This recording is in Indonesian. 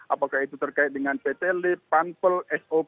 apakah itu terkait dengan pt lift panpel sop